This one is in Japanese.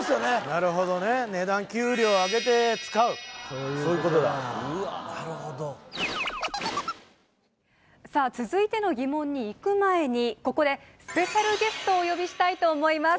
なるほどね値段そういうことださあ続いての疑問にいく前にここでスペシャルゲストをお呼びしたいと思います